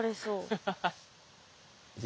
ハハハッ。